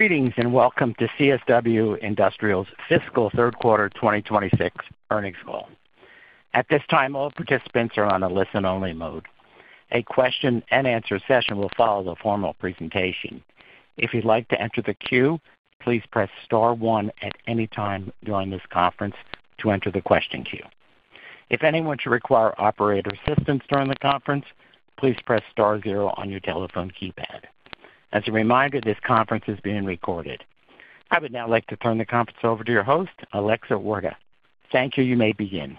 Greetings and welcome to CSW Industrials' Fiscal Third Quarter 2026 Earnings Call. At this time, all participants are on a listen-only mode. A question-and-answer session will follow the formal presentation. If you'd like to enter the queue, please press star one at any time during this conference to enter the question queue. If anyone should require operator assistance during the conference, please press star zero on your telephone keypad. As a reminder, this conference is being recorded. I would now like to turn the conference over to your host, Alexa Huerta. Thank you. You may begin.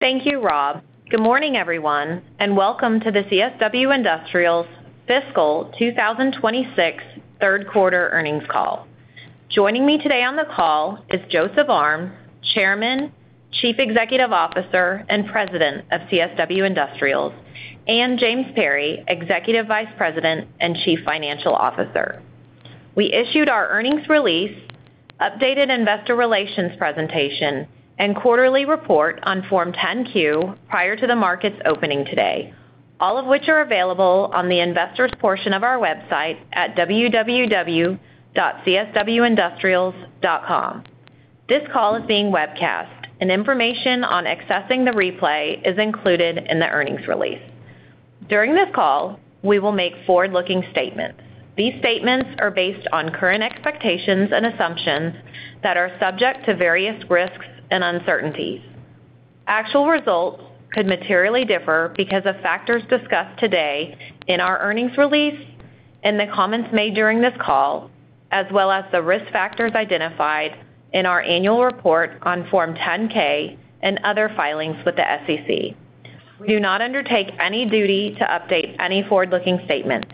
Thank you, Rob. Good morning, everyone, and welcome to the CSW Industrials' Fiscal 2026 Third Quarter Earnings Call. Joining me today on the call is Joseph Armes, Chairman, Chief Executive Officer, and President of CSW Industrials, and James Perry, Executive Vice President and Chief Financial Officer. We issued our earnings release, updated investor relations presentation, and quarterly report on Form 10-Q prior to the market's opening today, all of which are available on the investors' portion of our website at www.cswindustrials.com. This call is being webcast, and information on accessing the replay is included in the earnings release. During this call, we will make forward-looking statements. These statements are based on current expectations and assumptions that are subject to various risks and uncertainties. Actual results could materially differ because of factors discussed today in our earnings release, in the comments made during this call, as well as the risk factors identified in our annual report on Form 10-K and other filings with the SEC. We do not undertake any duty to update any forward-looking statements.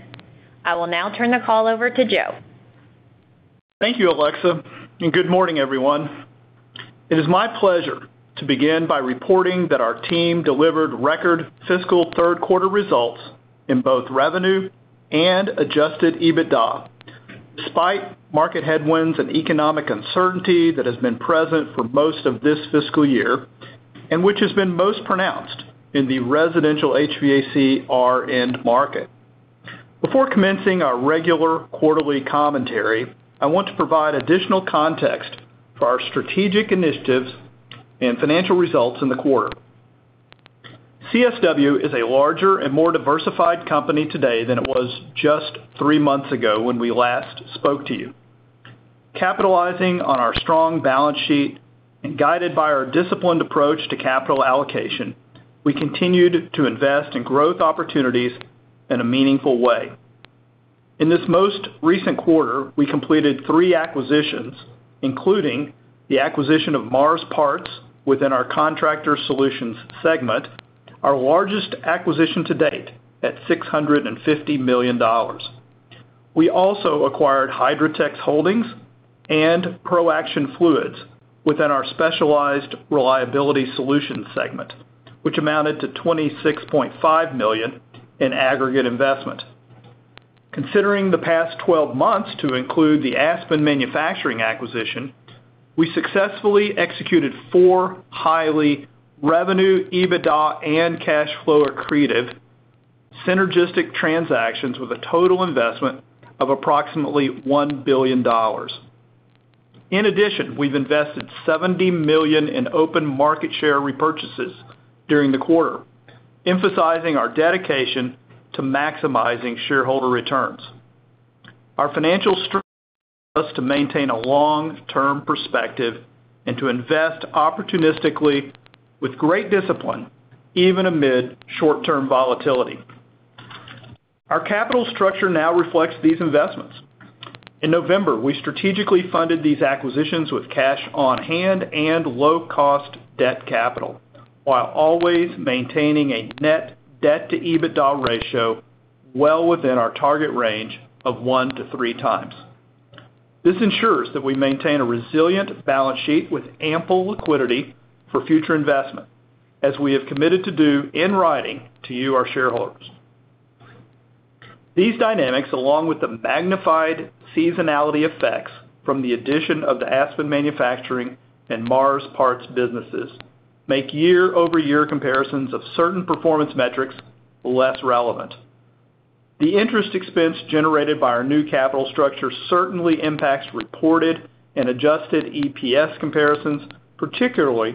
I will now turn the call over to Joe. Thank you, Alexa, and good morning, everyone. It is my pleasure to begin by reporting that our team delivered record fiscal third quarter results in both revenue and Adjusted EBITDA, despite market headwinds and economic uncertainty that has been present for most of this fiscal year, and which has been most pronounced in the residential HVAC/R market. Before commencing our regular quarterly commentary, I want to provide additional context for our strategic initiatives and financial results in the quarter. CSW is a larger and more diversified company today than it was just three months ago when we last spoke to you. Capitalizing on our strong balance sheet and guided by our disciplined approach to capital allocation, we continued to invest in growth opportunities in a meaningful way. In this most recent quarter, we completed three acquisitions, including the acquisition of MARS Parts within Contractor Solutions segment, our largest acquisition to date at $650 million. We also acquired Hydrotex Holdings and ProAction Fluids within our Specialized Reliability Solutions segment, which amounted to $26.5 million in aggregate investment. Considering the past 12 months to include the Aspen Manufacturing acquisition, we successfully executed four highly revenue, EBITDA, and cash flow accretive synergistic transactions with a total investment of approximately $1 billion. In addition, we've invested $70 million in open market share repurchases during the quarter, emphasizing our dedication to maximizing shareholder returns. Our financial strength is to maintain a long-term perspective and to invest opportunistically with great discipline, even amid short-term volatility. Our capital structure now reflects these investments. In November, we strategically funded these acquisitions with cash on hand and low-cost debt capital, while always maintaining a net debt-to-EBITDA ratio well within our target range of one to three times. This ensures that we maintain a resilient balance sheet with ample liquidity for future investment, as we have committed to do in writing to you, our shareholders. These dynamics, along with the magnified seasonality effects from the addition of the Aspen Manufacturing and MARS Parts businesses, make year-over-year comparisons of certain performance metrics less relevant. The interest expense generated by our new capital structure certainly impacts reported and Adjusted EPS comparisons, particularly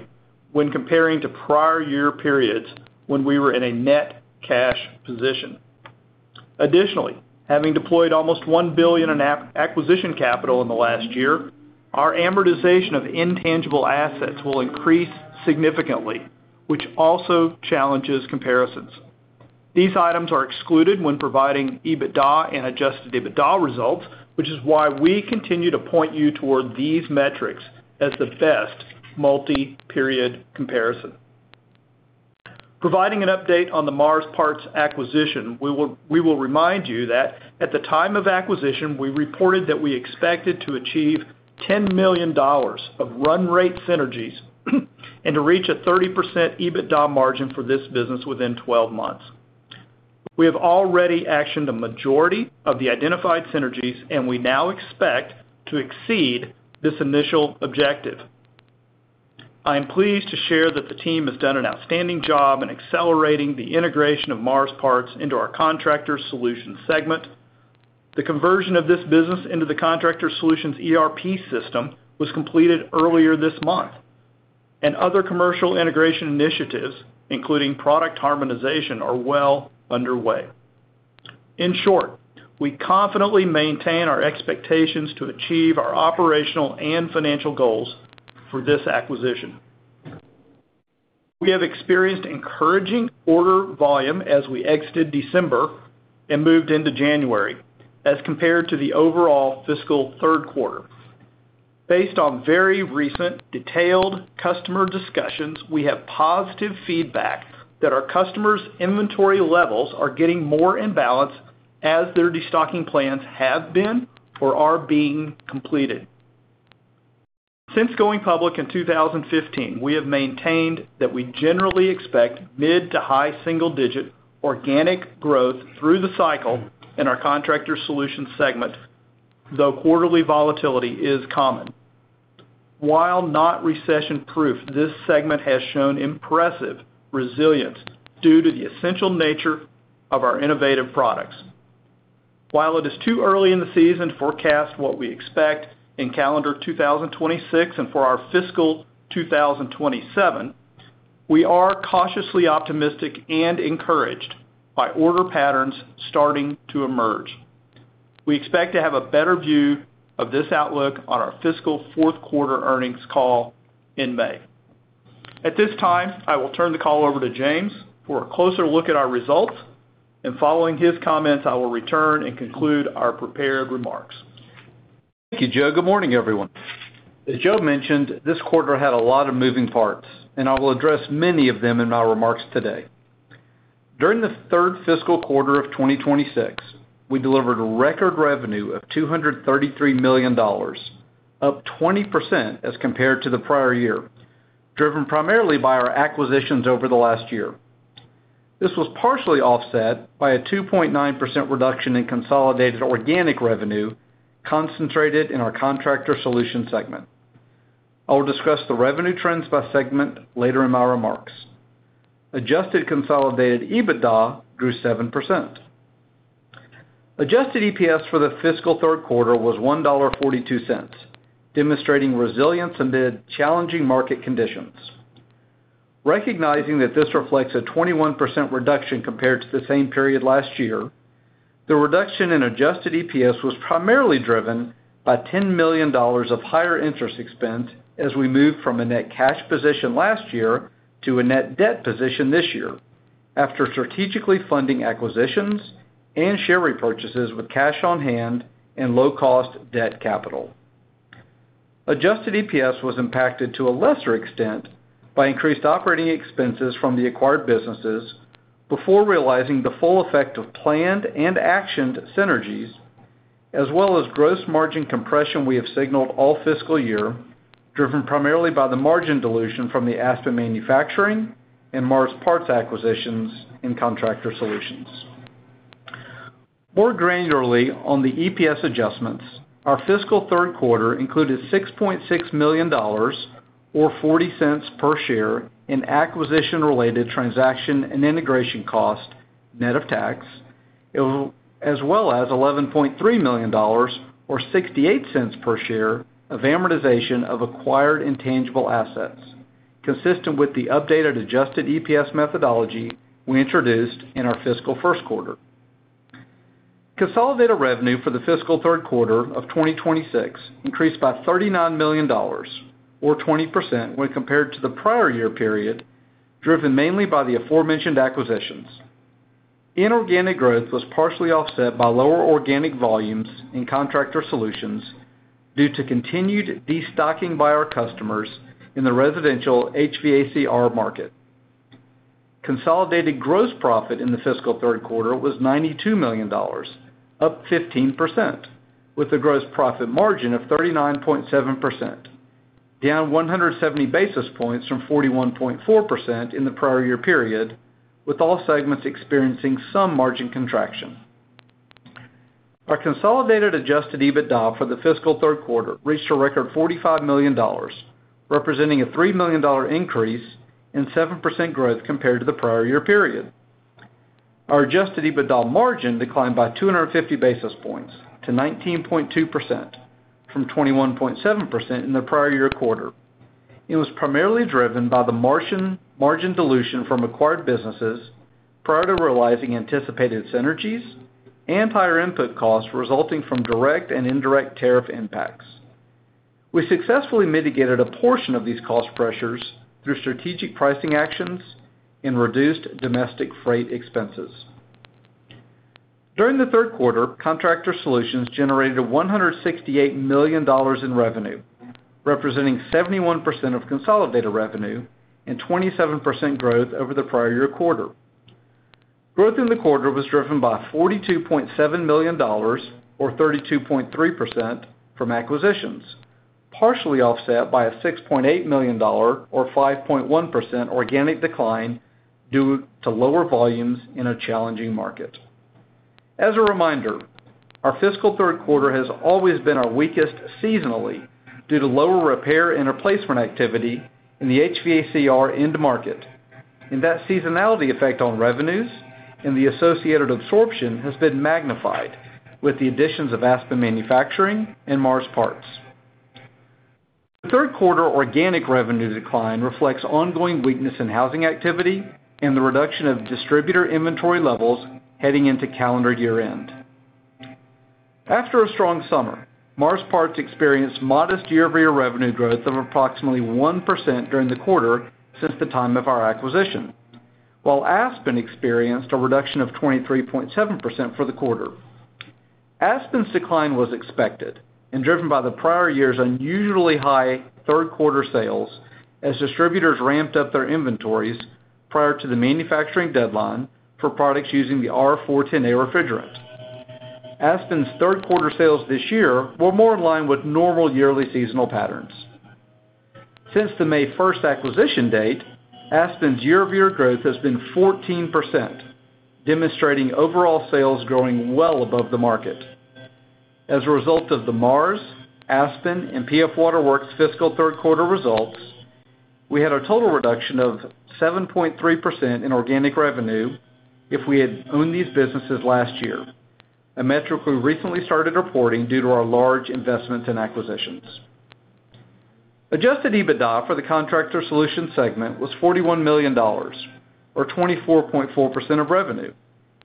when comparing to prior year periods when we were in a net cash position. Additionally, having deployed almost $1 billion in acquisition capital in the last year, our amortization of intangible assets will increase significantly, which also challenges comparisons. These items are excluded when providing EBITDA and Adjusted EBITDA results, which is why we continue to point you toward these metrics as the best multi-period comparison. Providing an update on the MARS Parts acquisition, we will remind you that at the time of acquisition, we reported that we expected to achieve $10 million of run rate synergies and to reach a 30% EBITDA margin for this business within 12 months. We have already actioned a majority of the identified synergies, and we now expect to exceed this initial objective. I am pleased to share that the team has done an outstanding job in accelerating the integration of MARS Parts into Contractor Solutions segment. the conversion of this business into the Contractor Solutions ERP system was completed earlier this month, and other commercial integration initiatives, including product harmonization, are well underway. In short, we confidently maintain our expectations to achieve our operational and financial goals for this acquisition. We have experienced encouraging order volume as we exited December and moved into January, as compared to the overall fiscal third quarter. Based on very recent detailed customer discussions, we have positive feedback that our customers' inventory levels are getting more in balance as their destocking plans have been or are being completed. Since going public in 2015, we have maintained that we generally expect mid to high single-digit organic growth through the cycle in Contractor Solutions segment, though quarterly volatility is common. While not recession-proof, this segment has shown impressive resilience due to the essential nature of our innovative products. While it is too early in the season to forecast what we expect in calendar 2026 and for our fiscal 2027, we are cautiously optimistic and encouraged by order patterns starting to emerge. We expect to have a better view of this outlook on our fiscal fourth quarter earnings call in May. At this time, I will turn the call over to James for a closer look at our results, and following his comments, I will return and conclude our prepared remarks. Thank you, Joe. Good morning, everyone. As Joe mentioned, this quarter had a lot of moving parts, and I will address many of them in my remarks today. During the third fiscal quarter of 2026, we delivered record revenue of $233 million, up 20% as compared to the prior year, driven primarily by our acquisitions over the last year. This was partially offset by a 2.9% reduction in consolidated organic revenue concentrated in Contractor Solutions segment. i will discuss the revenue trends by segment later in my remarks. Adjusted consolidated EBITDA grew 7%. Adjusted EPS for the fiscal third quarter was $1.42, demonstrating resilience amid challenging market conditions. Recognizing that this reflects a 21% reduction compared to the same period last year, the reduction in Adjusted EPS was primarily driven by $10 million of higher interest expense as we moved from a net cash position last year to a net debt position this year after strategically funding acquisitions and share repurchases with cash on hand and low-cost debt capital. Adjusted EPS was impacted to a lesser extent by increased operating expenses from the acquired businesses before realizing the full effect of planned and actioned synergies, as well as gross margin compression we have signaled all fiscal year, driven primarily by the margin dilution from the Aspen Manufacturing and MARS Parts acquisitions and Contractor Solutions. More granularly on the EPS adjustments, our fiscal third quarter included $6.6 million or $0.40 per share in acquisition-related transaction and integration cost, net of tax, as well as $11.3 million or $0.68 per share of amortization of acquired intangible assets, consistent with the updated Adjusted EPS methodology we introduced in our fiscal first quarter. Consolidated revenue for the fiscal third quarter of 2026 increased by $39 million or 20% when compared to the prior year period, driven mainly by the aforementioned acquisitions. Inorganic growth was partially offset by lower organic volumes in Contractor Solutions due to continued destocking by our customers in the residential HVAC/R market. Consolidated gross profit in the fiscal third quarter was $92 million, up 15%, with a gross profit margin of 39.7%, down 170 basis points from 41.4% in the prior year period, with all segments experiencing some margin contraction. Our consolidated Adjusted EBITDA for the fiscal third quarter reached a record $45 million, representing a $3 million increase and 7% growth compared to the prior year period. Our Adjusted EBITDA margin declined by 250 basis points to 19.2% from 21.7% in the prior year quarter. It was primarily driven by the margin dilution from acquired businesses prior to realizing anticipated synergies and higher input costs resulting from direct and indirect tariff impacts. We successfully mitigated a portion of these cost pressures through strategic pricing actions and reduced domestic freight expenses. During the third quarter, Contractor Solutions generated $168 million in revenue, representing 71% of consolidated revenue and 27% growth over the prior year quarter. Growth in the quarter was driven by $42.7 million or 32.3% from acquisitions, partially offset by a $6.8 million or 5.1% organic decline due to lower volumes in a challenging market. As a reminder, our fiscal third quarter has always been our weakest seasonally due to lower repair and replacement activity in the HVAC/R end market, and that seasonality effect on revenues and the associated absorption has been magnified with the additions of Aspen Manufacturing and MARS Parts. The third quarter organic revenue decline reflects ongoing weakness in housing activity and the reduction of distributor inventory levels heading into calendar year end. After a strong summer, MARS Parts experienced modest year-over-year revenue growth of approximately 1% during the quarter since the time of our acquisition, while Aspen experienced a reduction of 23.7% for the quarter. Aspen's decline was expected and driven by the prior year's unusually high third quarter sales as distributors ramped up their inventories prior to the manufacturing deadline for products using the R-410A refrigerant. Aspen's third quarter sales this year were more in line with normal yearly seasonal patterns. Since the May 1st acquisition date, Aspen's year-over-year growth has been 14%, demonstrating overall sales growing well above the market. As a result of the MARS, Aspen, and PF WaterWorks fiscal third quarter results, we had a total reduction of 7.3% in organic revenue if we had owned these businesses last year, a metric we recently started reporting due to our large investments in acquisitions. Adjusted EBITDA for Contractor Solutions segment was $41 million or 24.4% of revenue,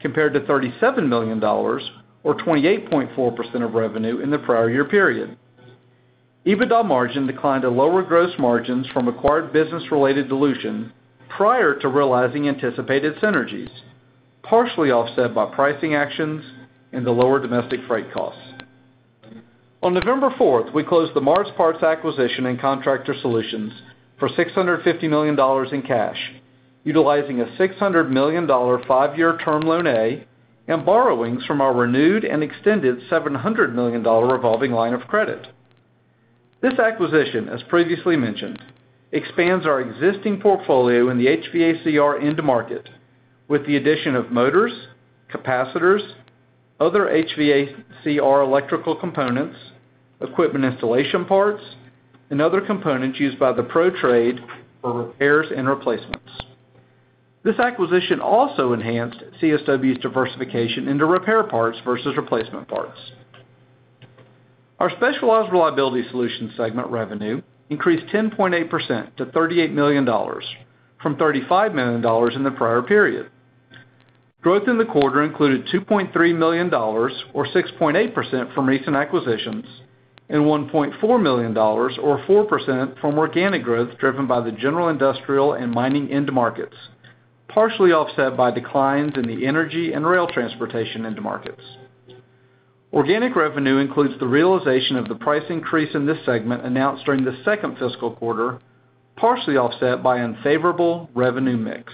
compared to $37 million or 28.4% of revenue in the prior year period. EBITDA margin declined to lower gross margins from acquired business-related dilution prior to realizing anticipated synergies, partially offset by pricing actions and the lower domestic freight costs. On November 4th, we closed the MARS Parts acquisition and Contractor Solutions for $650 million in cash, utilizing a $600 million five-year Term Loan A and borrowings from our renewed and extended $700 million revolving line of credit. This acquisition, as previously mentioned, expands our existing portfolio in the HVAC/R end market with the addition of motors, capacitors, other HVAC/R electrical components, equipment installation parts, and other components used by the pro trade for repairs and replacements. This acquisition also enhanced CSW's diversification into repair parts versus replacement parts. Our Specialized Reliability Solutions segment revenue increased 10.8% to $38 million from $35 million in the prior period. Growth in the quarter included $2.3 million or 6.8% from recent acquisitions and $1.4 million or 4% from organic growth driven by the general industrial and mining end markets, partially offset by declines in the energy and rail transportation end markets. Organic revenue includes the realization of the price increase in this segment announced during the second fiscal quarter, partially offset by unfavorable revenue mix.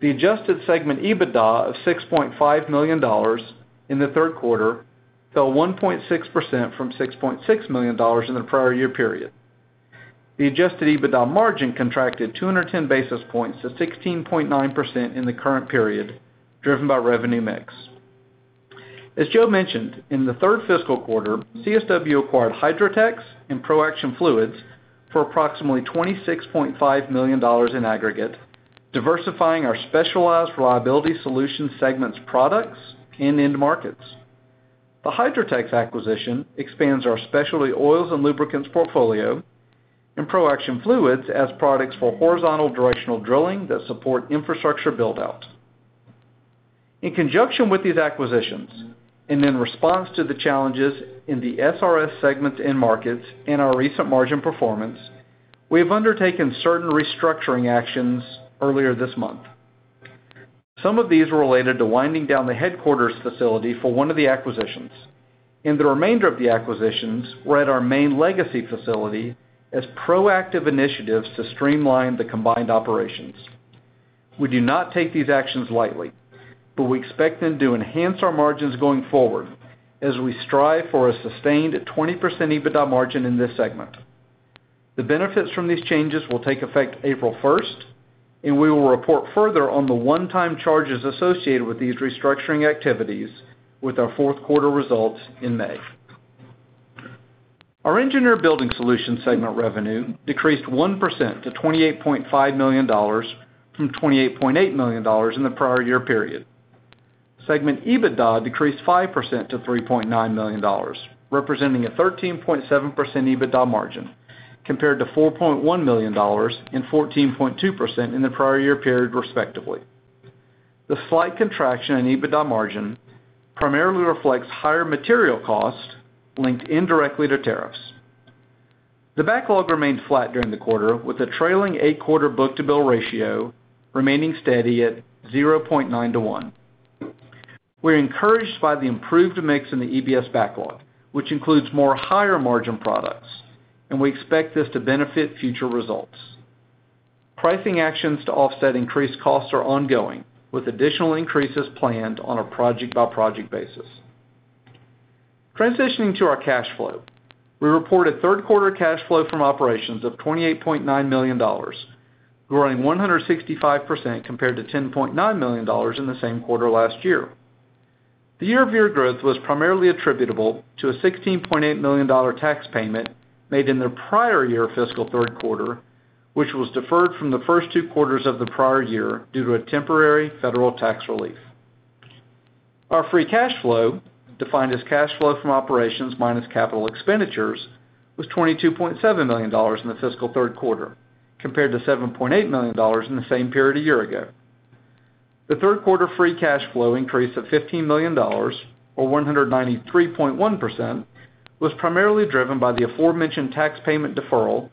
The Adjusted segment EBITDA of $6.5 million in the third quarter fell 1.6% from $6.6 million in the prior year period. The Adjusted EBITDA margin contracted 210 basis points to 16.9% in the current period, driven by revenue mix. As Joe mentioned, in the third fiscal quarter, CSW acquired Hydrotex and ProAction Fluids for approximately $26.5 million in aggregate, diversifying our Specialized Reliability Solutions segment's products and end markets. The Hydrotex acquisition expands our specialty oils and lubricants portfolio and ProAction Fluids as products for horizontal directional drilling that support infrastructure build-out. In conjunction with these acquisitions and in response to the challenges in the SRS segment end markets and our recent margin performance, we have undertaken certain restructuring actions earlier this month. Some of these were related to winding down the headquarters facility for one of the acquisitions. In the remainder of the acquisitions, we're at our main legacy facility as proactive initiatives to streamline the combined operations. We do not take these actions lightly, but we expect them to enhance our margins going forward as we strive for a sustained 20% EBITDA margin in this segment. The benefits from these changes will take effect April 1st, and we will report further on the one-time charges associated with these restructuring activities with our fourth quarter results in May. Our Engineered Building Solutions segment revenue decreased 1% to $28.5 million from $28.8 million in the prior year period. Segment EBITDA decreased 5% to $3.9 million, representing a 13.7% EBITDA margin compared to $4.1 million and 14.2% in the prior year period, respectively. The slight contraction in EBITDA margin primarily reflects higher material costs linked indirectly to tariffs. The backlog remained flat during the quarter, with a trailing eight-quarter book-to-bill ratio remaining steady at 0.9 to 1. We're encouraged by the improved mix in the EBS backlog, which includes more higher margin products, and we expect this to benefit future results. Pricing actions to offset increased costs are ongoing, with additional increases planned on a project-by-project basis. Transitioning to our cash flow, we reported third quarter cash flow from operations of $28.9 million, growing 165% compared to $10.9 million in the same quarter last year. The year-over-year growth was primarily attributable to a $16.8 million tax payment made in the prior year fiscal third quarter, which was deferred from the first two quarters of the prior year due to a temporary federal tax relief. Our free cash flow, defined as cash flow from operations minus capital expenditures, was $22.7 million in the fiscal third quarter, compared to $7.8 million in the same period a year ago. The third quarter free cash flow increase of $15 million, or 193.1%, was primarily driven by the aforementioned tax payment deferral,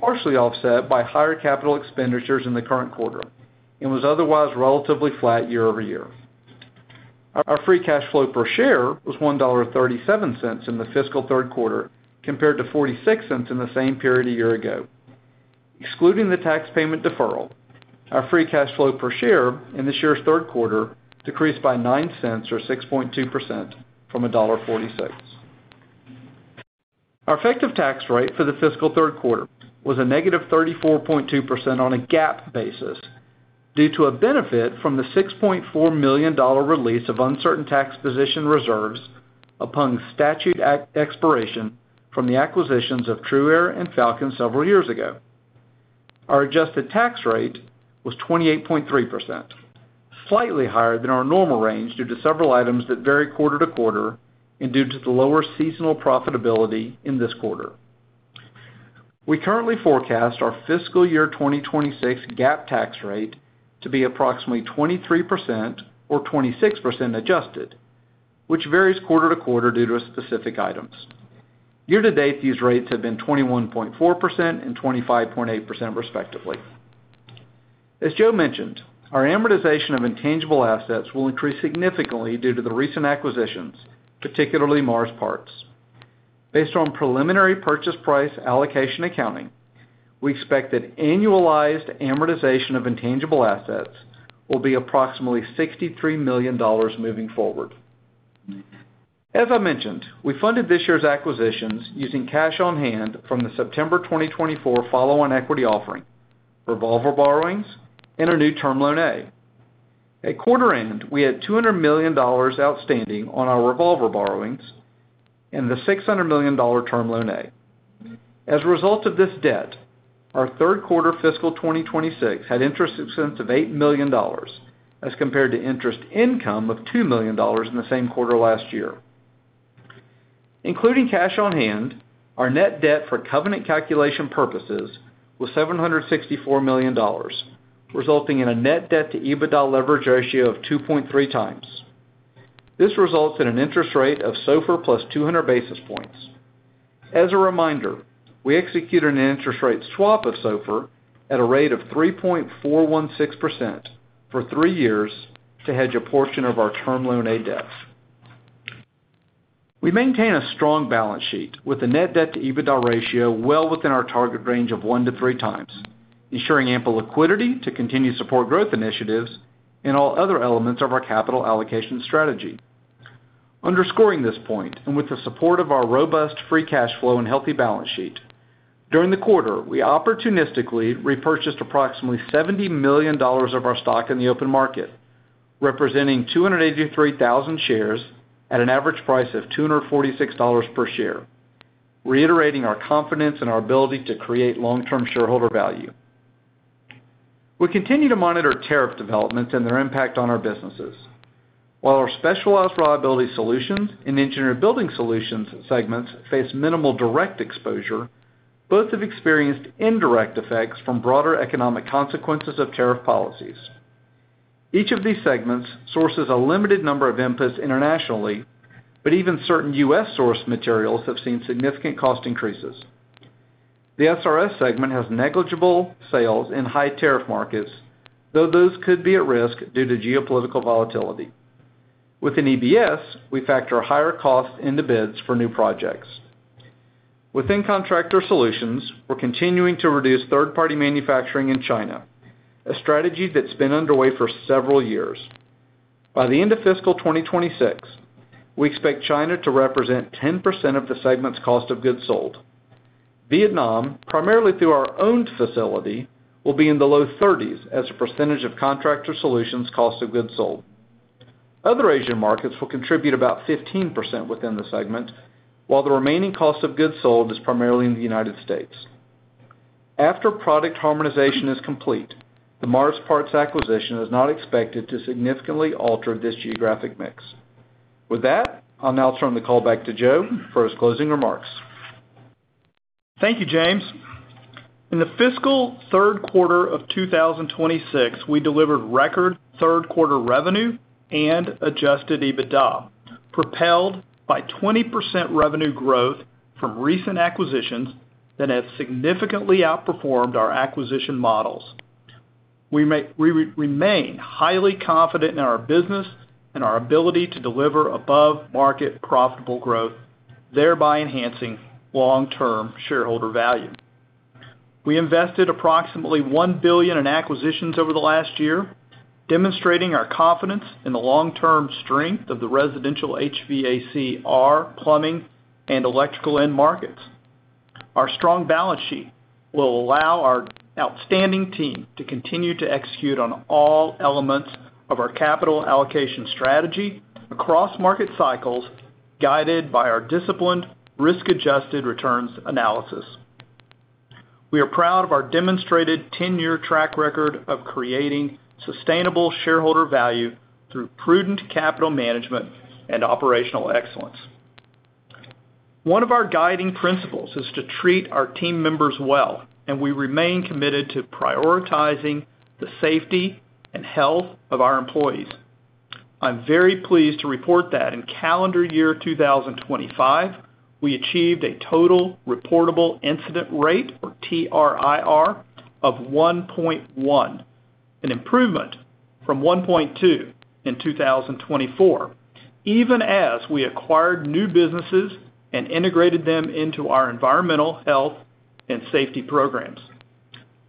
partially offset by higher capital expenditures in the current quarter, and was otherwise relatively flat year over year. Our free cash flow per share was $1.37 in the fiscal third quarter, compared to $0.46 in the same period a year ago. Excluding the tax payment deferral, our free cash flow per share in this year's third quarter decreased by $0.09, or 6.2%, from $1.46. Our effective tax rate for the fiscal third quarter was -34.2% on a GAAP basis due to a benefit from the $6.4 million release of uncertain tax position reserves upon statute expiration from the acquisitions of TRUaire and Falcon several years ago. Our adjusted tax rate was 28.3%, slightly higher than our normal range due to several items that vary quarter to quarter and due to the lower seasonal profitability in this quarter. We currently forecast our fiscal year 2026 GAAP tax rate to be approximately 23% or 26% adjusted, which varies quarter to quarter due to specific items. Year-to-date, these rates have been 21.4% and 25.8%, respectively. As Joe mentioned, our amortization of intangible assets will increase significantly due to the recent acquisitions, particularly MARS Parts. Based on preliminary purchase price allocation accounting, we expect that annualized amortization of intangible assets will be approximately $63 million moving forward. As I mentioned, we funded this year's acquisitions using cash on hand from the September 2024 follow-on equity offering, revolver borrowings, and a new Term Loan A. At quarter end, we had $200 million outstanding on our revolver borrowings and the $600 million Term Loan A. As a result of this debt, our third quarter fiscal 2026 had interest expense of $8 million as compared to interest income of $2 million in the same quarter last year. Including cash on hand, our net debt for covenant calculation purposes was $764 million, resulting in a net debt-to-EBITDA leverage ratio of 2.3 times. This results in an interest rate of SOFR plus 200 basis points. As a reminder, we execute an interest rate swap of SOFR at a rate of 3.416% for three years to hedge a portion of our Term Loan A debts. We maintain a strong balance sheet with a net debt-to-EBITDA ratio well within our target range of one to three times, ensuring ample liquidity to continue support growth initiatives and all other elements of our capital allocation strategy. Underscoring this point, and with the support of our robust free cash flow and healthy balance sheet, during the quarter, we opportunistically repurchased approximately $70 million of our stock in the open market, representing 283,000 shares at an average price of $246 per share, reiterating our confidence in our ability to create long-term shareholder value. We continue to monitor tariff developments and their impact on our businesses. While our Specialized Reliability Solutions and Engineered Building Solutions segments face minimal direct exposure, both have experienced indirect effects from broader economic consequences of tariff policies. Each of these segments sources a limited number of inputs internationally, but even certain U.S. source materials have seen significant cost increases. The SRS segment has negligible sales in high tariff markets, though those could be at risk due to geopolitical volatility. Within EBS, we factor higher costs into bids for new projects. Within Contractor Solutions, we're continuing to reduce third-party manufacturing in China, a strategy that's been underway for several years. By the end of fiscal 2026, we expect China to represent 10% of the segment's cost of goods sold. Vietnam, primarily through our owned facility, will be in the low 30s as a percentage of Contractor Solutions cost of goods sold. Other Asian markets will contribute about 15% within the segment, while the remaining cost of goods sold is primarily in the United States. After product harmonization is complete, the MARS Parts acquisition is not expected to significantly alter this geographic mix. With that, I'll now turn the call back to Joe for his closing remarks. Thank you, James. In the fiscal third quarter of 2026, we delivered record third quarter revenue and Adjusted EBITDA, propelled by 20% revenue growth from recent acquisitions that have significantly outperformed our acquisition models. We remain highly confident in our business and our ability to deliver above-market profitable growth, thereby enhancing long-term shareholder value. We invested approximately $1 billion in acquisitions over the last year, demonstrating our confidence in the long-term strength of the residential HVAC/R, our plumbing, and electrical end markets. Our strong balance sheet will allow our outstanding team to continue to execute on all elements of our capital allocation strategy across market cycles, guided by our disciplined, risk-adjusted returns analysis. We are proud of our demonstrated 10-year track record of creating sustainable shareholder value through prudent capital management and operational excellence. One of our guiding principles is to treat our team members well, and we remain committed to prioritizing the safety and health of our employees. I'm very pleased to report that in calendar year 2025, we achieved a Total Reportable Incident Rate, or TRIR, of 1.1, an improvement from 1.2 in 2024, even as we acquired new businesses and integrated them into our environmental, health, and safety programs.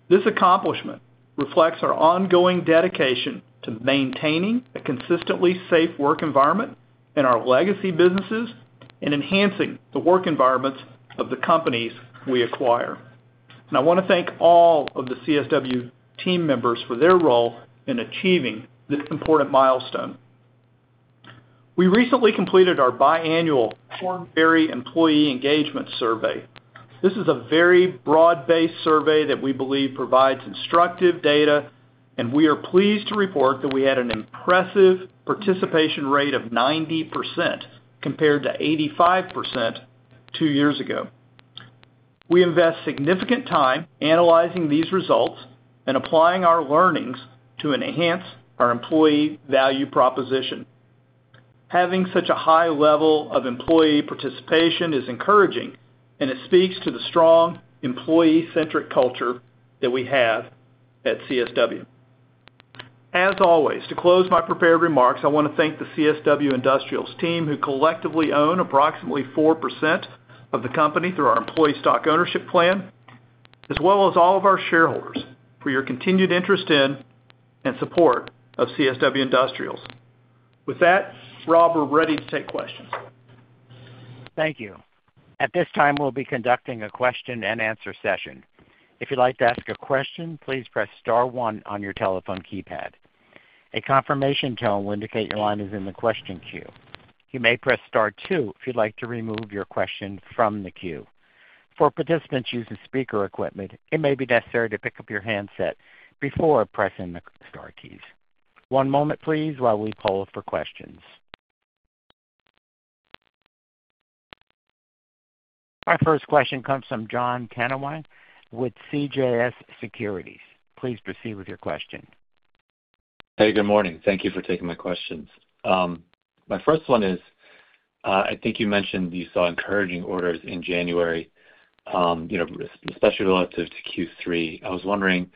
This accomplishment reflects our ongoing dedication to maintaining a consistently safe work environment in our legacy businesses and enhancing the work environments of the companies we acquire. I want to thank all of the CSW team members for their role in achieving this important milestone. We recently completed our biannual Korn Ferry Employee Engagement Survey. This is a very broad-based survey that we believe provides instructive data, and we are pleased to report that we had an impressive participation rate of 90% compared to 85% two years ago. We invest significant time analyzing these results and applying our learnings to enhance our employee value proposition. Having such a high level of employee participation is encouraging, and it speaks to the strong employee-centric culture that we have at CSW. As always, to close my prepared remarks, I want to thank the CSW Industrials team, who collectively own approximately 4% of the company through our employee stock ownership plan, as well as all of our shareholders, for your continued interest in and support of CSW Industrials. With that, Rob, we're ready to take questions. Thank you. At this time, we'll be conducting a question-and-answer session. If you'd like to ask a question, please press star one on your telephone keypad. A confirmation tone will indicate your line is in the question queue. You may press star two if you'd like to remove your question from the queue. For participants using speaker equipment, it may be necessary to pick up your handset before pressing the star keys. One moment, please, while we poll for questions. Our first question comes from Jon Tanwanteng with CJS Securities. Please proceed with your question. Hey, good morning. Thank you for taking my questions. My first one is, I think you mentioned you saw encouraging orders in January, especially relative to Q3. I was wondering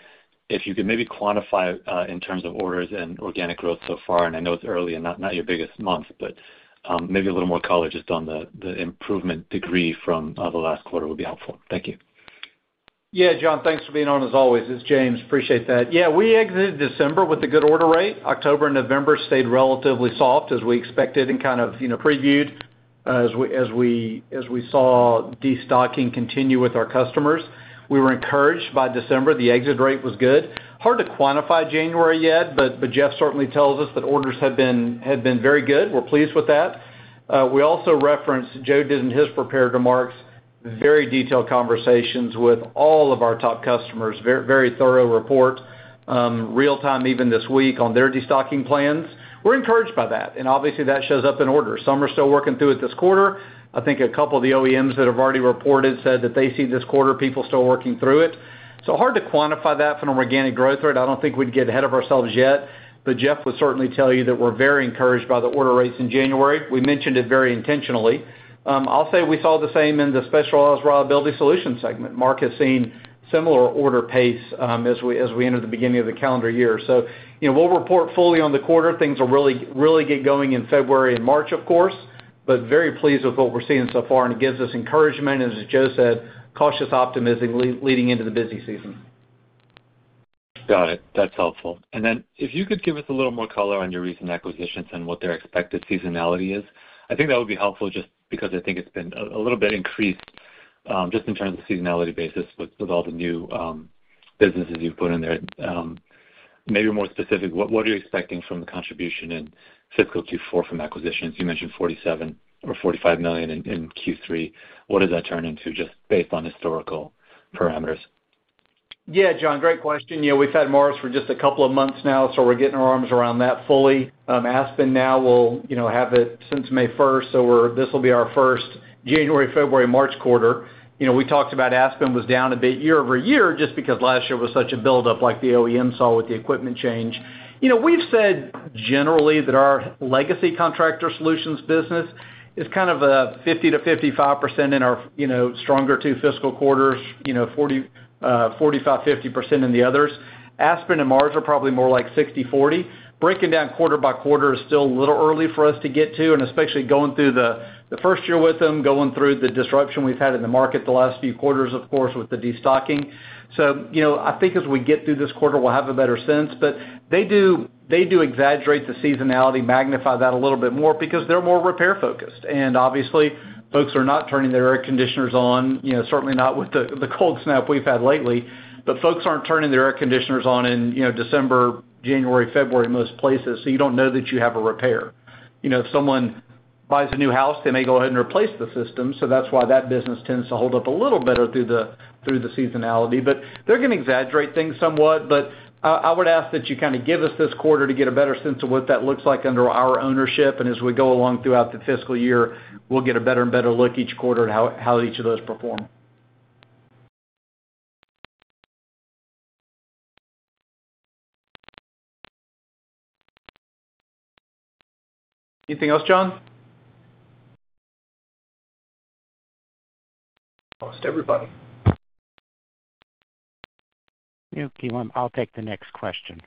if you could maybe quantify in terms of orders and organic growth so far, and I know it's early and not your biggest month, but maybe a little more color just on the improvement degree from the last quarter would be helpful. Thank you. Yeah, Jon, thanks for being on as always. It's James. Appreciate that. Yeah, we exited December with a good order rate. October and November stayed relatively soft as we expected and kind of previewed as we saw destocking continue with our customers. We were encouraged by December. The exit rate was good. Hard to quantify January yet, but Jeff certainly tells us that orders have been very good. We're pleased with that. We also referenced Joe did in his prepared remarks, very detailed conversations with all of our top customers, very thorough reports, real-time even this week on their destocking plans. We're encouraged by that, and obviously that shows up in orders. Some are still working through it this quarter. I think a couple of the OEMs that have already reported said that they see this quarter people still working through it. So hard to quantify that from an organic growth rate. I don't think we'd get ahead of ourselves yet, but Jeff would certainly tell you that we're very encouraged by the order rates in January. We mentioned it very intentionally. I'll say we saw the same in the Specialized Reliability Solutions segment. Mark has seen similar order pace as we entered the beginning of the calendar year. So we'll report fully on the quarter. Things will really get going in February and March, of course, but very pleased with what we're seeing so far, and it gives us encouragement, as Joe said, cautious optimism leading into the busy season. Got it. That's helpful. And then if you could give us a little more color on your recent acquisitions and what their expected seasonality is, I think that would be helpful just because I think it's been a little bit increased just in terms of seasonality basis with all the new businesses you've put in there. Maybe more specific, what are you expecting from the contribution in fiscal Q4 from acquisitions? You mentioned $47 million or $45 million in Q3. What does that turn into just based on historical parameters? Yeah, Jon, great question. We've had Mars for just a couple of months now, so we're getting our arms around that fully. Aspen now will have it since May 1st, so this will be our first January, February, March quarter. We talked about Aspen was down a bit year-over-year just because last year was such a buildup like the OEM saw with the equipment change. We've said generally that our legacy Contractor Solutions business is kind of a 50%-55% in our stronger two fiscal quarters, 45%-50% in the others. Aspen and Mars are probably more like 60/40. Breaking down quarter by quarter is still a little early for us to get to, and especially going through the first year with them, going through the disruption we've had in the market the last few quarters, of course, with the destocking. So I think as we get through this quarter, we'll have a better sense, but they do exaggerate the seasonality, magnify that a little bit more because they're more repair-focused. And obviously, folks are not turning their air conditioners on, certainly not with the cold snap we've had lately, but folks aren't turning their air conditioners on in December, January, February in most places, so you don't know that you have a repair. If someone buys a new house, they may go ahead and replace the system, so that's why that business tends to hold up a little better through the seasonality. But they're going to exaggerate things somewhat, but I would ask that you kind of give us this quarter to get a better sense of what that looks like under our ownership, and as we go along throughout the fiscal year, we'll get a better and better look each quarter at how each of those perform. Anything else, Jon? Almost everybody. Thank you. I'll take the next question.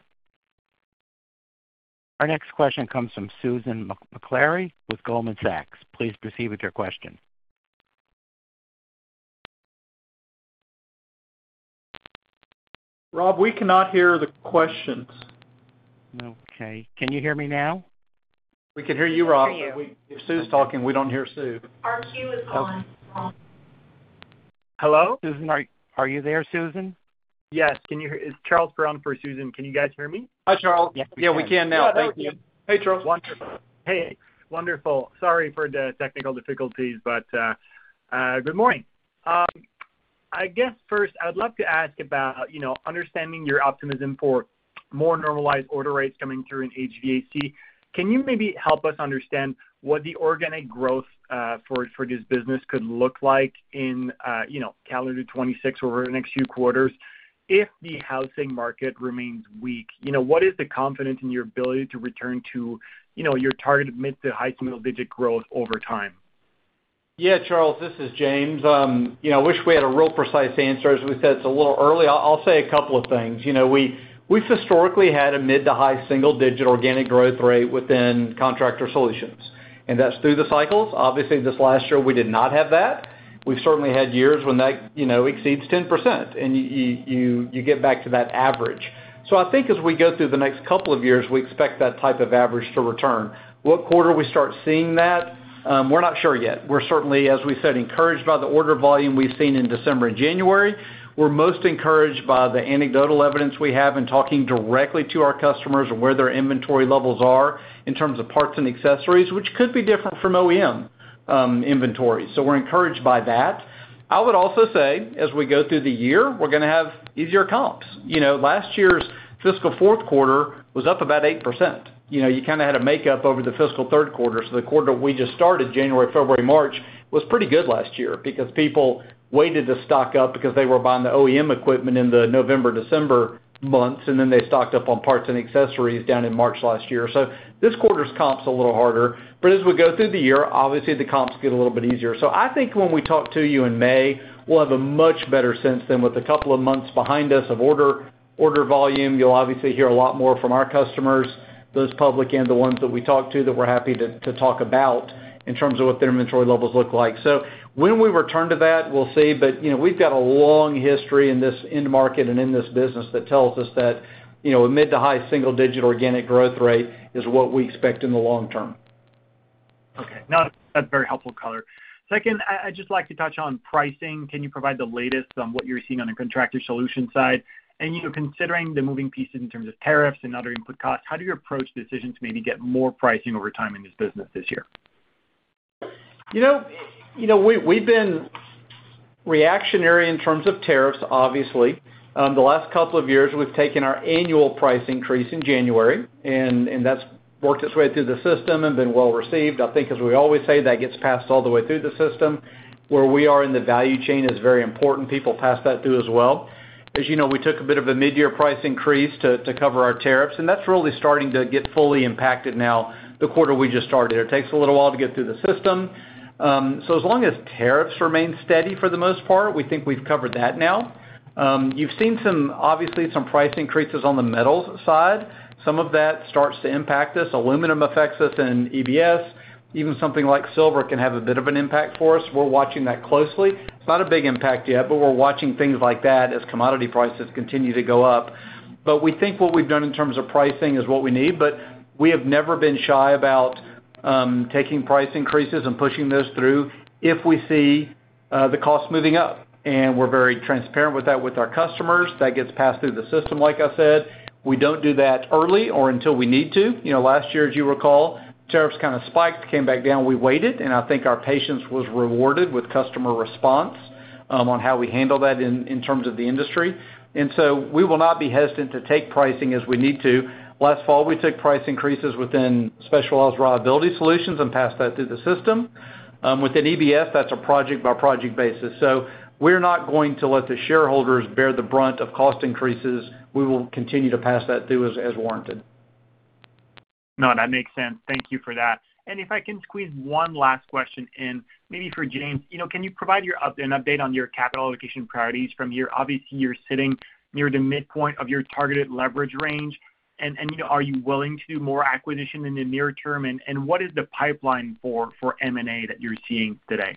Our next question comes from Susan Maklari with Goldman Sachs. Please proceed with your question. Rob, we cannot hear the questions. Okay. Can you hear me now? We can hear you, Rob. If Sue's talking, we don't hear Sue. Our queue is on. Hello? Susan, are you there, Susan? Yes. It's Charles Brown for Susan. Can you guys hear me? Hi, Charles. Yeah, we can now. Thank you. Hey, Charles. Wonderful. Hey, wonderful. Sorry for the technical difficulties, but good morning. I guess first, I would love to ask about understanding your optimism for more normalized order rates coming through in HVAC. Can you maybe help us understand what the organic growth for this business could look like in calendar 2026 over the next few quarters if the housing market remains weak? What is the confidence in your ability to return to your target mid- to high-single-digit growth over time? Yeah, Charles, this is James. I wish we had a real precise answer. As we said, it's a little early. I'll say a couple of things. We've historically had a mid- to high-single-digit organic growth rate within Contractor Solutions, and that's through the cycles. Obviously, this last year, we did not have that. We've certainly had years when that exceeds 10%, and you get back to that average. So I think as we go through the next couple of years, we expect that type of average to return. What quarter we start seeing that, we're not sure yet. We're certainly, as we said, encouraged by the order volume we've seen in December and January. We're most encouraged by the anecdotal evidence we have in talking directly to our customers and where their inventory levels are in terms of parts and accessories, which could be different from OEM inventory. So we're encouraged by that. I would also say, as we go through the year, we're going to have easier comps. Last year's fiscal fourth quarter was up about 8%. You kind of had a makeup over the fiscal third quarter, so the quarter we just started, January, February, March, was pretty good last year because people waited to stock up because they were buying the OEM equipment in the November, December months, and then they stocked up on parts and accessories down in March last year. So this quarter's comp's a little harder, but as we go through the year, obviously, the comp's get a little bit easier. So I think when we talk to you in May, we'll have a much better sense than with a couple of months behind us of order volume. You'll obviously hear a lot more from our customers, those public and the ones that we talk to that we're happy to talk about in terms of what their inventory levels look like. So when we return to that, we'll see, but we've got a long history in this end market and in this business that tells us that a mid- to high single-digit organic growth rate is what we expect in the long term. Okay. No, that's very helpful color. Second, I'd just like to touch on pricing. Can you provide the latest on what you're seeing on the Contractor Solutions side? And considering the moving pieces in terms of tariffs and other input costs, how do you approach decisions to maybe get more pricing over time in this business this year? We've been reactionary in terms of tariffs, obviously. The last couple of years, we've taken our annual price increase in January, and that's worked its way through the system and been well received. I think, as we always say, that gets passed all the way through the system. Where we are in the value chain is very important. People pass that through as well. As you know, we took a bit of a mid-year price increase to cover our tariffs, and that's really starting to get fully impacted now the quarter we just started. It takes a little while to get through the system. So as long as tariffs remain steady for the most part, we think we've covered that now. You've seen, obviously, some price increases on the metals side. Some of that starts to impact us. Aluminum affects us in EBS. Even something like silver can have a bit of an impact for us. We're watching that closely. It's not a big impact yet, but we're watching things like that as commodity prices continue to go up. But we think what we've done in terms of pricing is what we need, but we have never been shy about taking price increases and pushing those through if we see the cost moving up. And we're very transparent with that with our customers. That gets passed through the system, like I said. We don't do that early or until we need to. Last year, as you recall, tariffs kind of spiked, came back down, we waited, and I think our patience was rewarded with customer response on how we handle that in terms of the industry. And so we will not be hesitant to take pricing as we need to. Last fall, we took price increases within Specialized Reliability Solutions and passed that through the system. Within EBS, that's a project-by-project basis. So we're not going to let the shareholders bear the brunt of cost increases. We will continue to pass that through as warranted. No, that makes sense. Thank you for that. And if I can squeeze one last question in, maybe for James, can you provide an update on your capital allocation priorities from here? Obviously, you're sitting near the midpoint of your targeted leverage range. And are you willing to do more acquisition in the near term, and what is the pipeline for M&A that you're seeing today?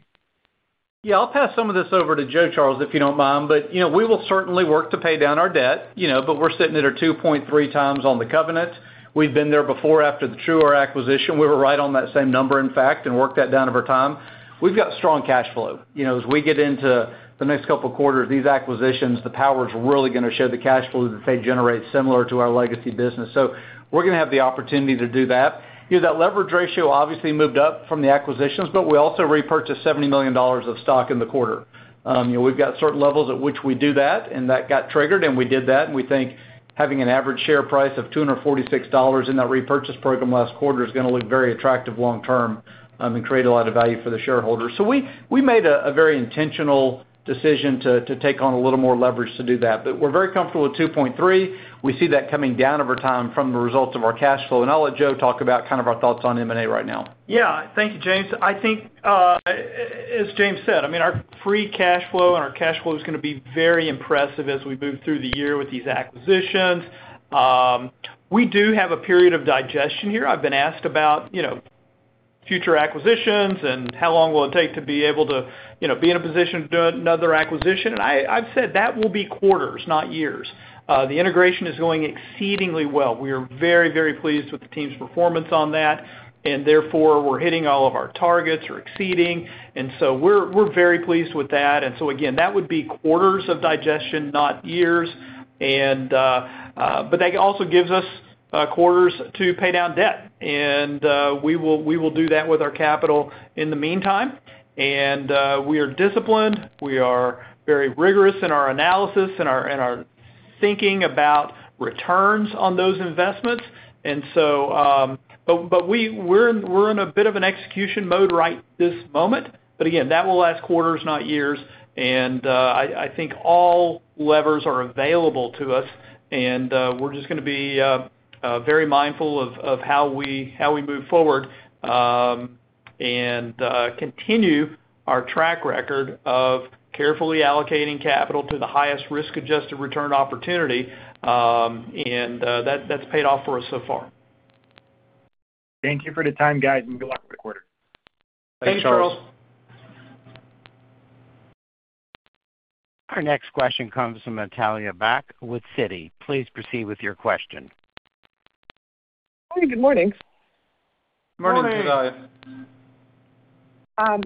Yeah, I'll pass some of this over to Joe, Charles, if you don't mind, but we will certainly work to pay down our debt, but we're sitting at our 2.3 times on the covenant. We've been there before after the TRUaire acquisition. We were right on that same number, in fact, and worked that down over time. We've got strong cash flow. As we get into the next couple of quarters, these acquisitions, the power's really going to show the cash flow that they generate similar to our legacy business. So we're going to have the opportunity to do that. That leverage ratio obviously moved up from the acquisitions, but we also repurchased $70 million of stock in the quarter. We've got certain levels at which we do that, and that got triggered, and we did that. We think having an average share price of $246 in that repurchase program last quarter is going to look very attractive long term and create a lot of value for the shareholders. We made a very intentional decision to take on a little more leverage to do that, but we're very comfortable with 2.3. We see that coming down over time from the results of our cash flow, and I'll let Joe talk about kind of our thoughts on M&A right now. Yeah. Thank you, James. I think, as James said, I mean, our free cash flow and our cash flow is going to be very impressive as we move through the year with these acquisitions. We do have a period of digestion here. I've been asked about future acquisitions and how long will it take to be able to be in a position to do another acquisition. And I've said that will be quarters, not years. The integration is going exceedingly well. We are very, very pleased with the team's performance on that, and therefore, we're hitting all of our targets or exceeding. And so we're very pleased with that. And so again, that would be quarters of digestion, not years, but that also gives us quarters to pay down debt. And we will do that with our capital in the meantime. And we are disciplined. We are very rigorous in our analysis and our thinking about returns on those investments. And so, but we're in a bit of an execution mode right this moment. But again, that will last quarters, not years. And I think all levers are available to us, and we're just going to be very mindful of how we move forward and continue our track record of carefully allocating capital to the highest risk-adjusted return opportunity. And that's paid off for us so far. Thank you for the time, guys, and good luck with the quarter. Thanks, Charles. Thanks, Charles. Our next question comes from Natalia Bak with Citi. Please proceed with your question. Hi. Good morning. Good morning. Hi, Natalia.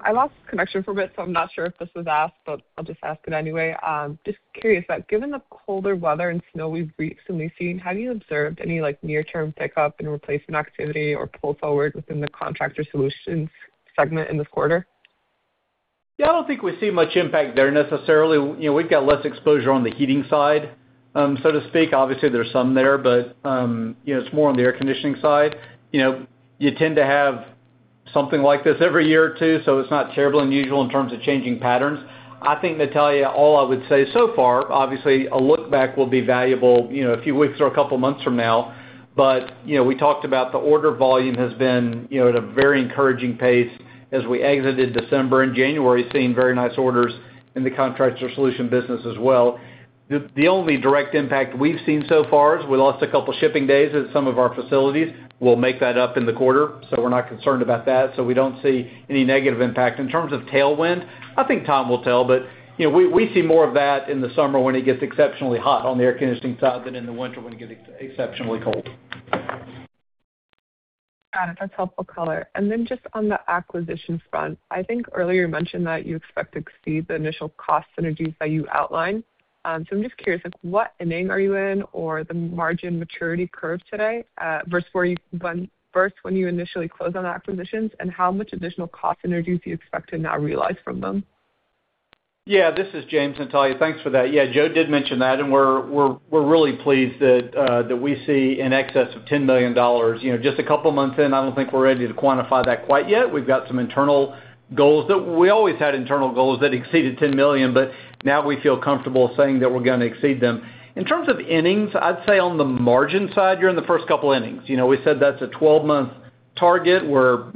I lost connection for a bit, so I'm not sure if this was asked, but I'll just ask it anyway. Just curious, given the colder weather and snow we've recently seen, have you observed any near-term pickup and replacement activity or pull forward within Contractor Solutions segment in this quarter? Yeah, I don't think we see much impact there necessarily. We've got less exposure on the heating side, so to speak. Obviously, there's some there, but it's more on the air conditioning side. You tend to have something like this every year or two, so it's not terribly unusual in terms of changing patterns. I think, Natalia, all I would say so far, obviously, a look back will be valuable a few weeks or a couple of months from now. But we talked about the order volume has been at a very encouraging pace as we exited December and January, seeing very nice orders in the Contractor Solutions business as well. The only direct impact we've seen so far is we lost a couple of shipping days at some of our facilities. We'll make that up in the quarter, so we're not concerned about that. So we don't see any negative impact. In terms of tailwind, I think time will tell, but we see more of that in the summer when it gets exceptionally hot on the air conditioning side than in the winter when it gets exceptionally cold. Got it. That's helpful color. And then just on the acquisition front, I think earlier you mentioned that you expect to exceed the initial cost synergies that you outlined. So I'm just curious, what ending are you in or the margin maturity curve today versus where you went first when you initially closed on the acquisitions, and how much additional cost synergies do you expect to now realize from them? Yeah, this is James, Natalia. Thanks for that. Yeah, Joe did mention that, and we're really pleased that we see an excess of $10 million. Just a couple of months in, I don't think we're ready to quantify that quite yet. We've got some internal goals that we always had internal goals that exceeded $10 million, but now we feel comfortable saying that we're going to exceed them. In terms of endings, I'd say on the margin side, you're in the first couple of endings. We said that's a 12-month target. We're